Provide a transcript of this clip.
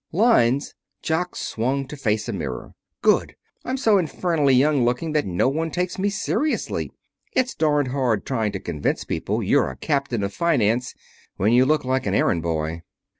"Lines!" Jock swung to face a mirror. "Good! I'm so infernally young looking that no one takes me seriously. It's darned hard trying to convince people you're a captain of finance when you look like an errand boy."